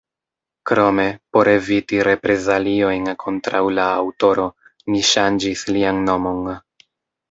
Krome, por eviti reprezaliojn kontraŭ la aŭtoro, ni ŝanĝis lian nomon.